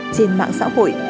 trên mạng xã hội